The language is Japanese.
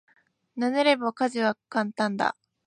慣れれば家事は簡単だ。